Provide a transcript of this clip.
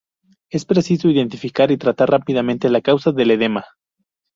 Es preciso identificar y tratar rápidamente la causa del edema.